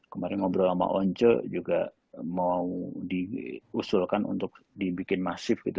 kemarin ngobrol sama once juga mau diusulkan untuk dibikin masif gitu